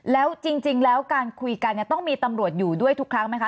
แล้วจริงแล้วการคุยกันเนี่ยต้องมีตำรวจอยู่ด้วยทุกครั้งไหมคะ